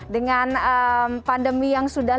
dengan pandemi yang sudah